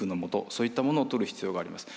そういったものをとる必要があります。